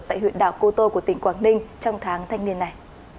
tại huyện đảo cô tô của tỉnh quảng ninh trong tháng thanh niên này